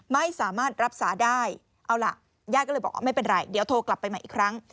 ไม่สามารถรักษาได้เอาล่ะญาติก็เลยบอกว่าไม่เป็นไรเดี๋ยวโทรกลับไปใหม่อีกครั้ง